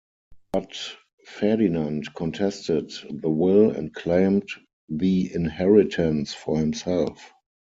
But Ferdinand contested the will, and claimed the inheritance for himself.